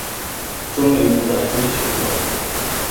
终于不再追寻的我